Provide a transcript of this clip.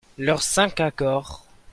Leurs cinq accords.